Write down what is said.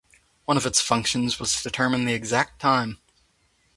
One of its functions was to determine the exact time.